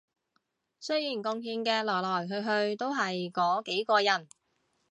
雖然貢獻嘅來來去去都係嗰幾個人